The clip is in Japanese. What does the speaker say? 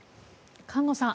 菅野さん